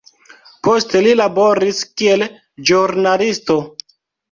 Poste li laboris kiel ĵurnalisto.